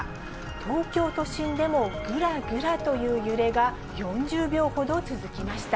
東京都心でもぐらぐらという揺れが４０秒ほど続きました。